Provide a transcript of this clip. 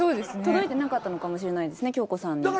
届いてなかったのかもしれないですね京子さんに。